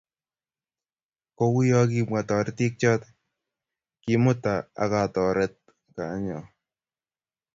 Kouyo kimwa toritik choti, kimuta akotoret kanyo